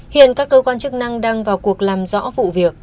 hiện các cơ quan chức năng đang vào cuộc làm rõ vụ việc